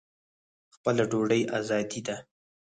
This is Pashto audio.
خپله ډوډۍ ازادي ده.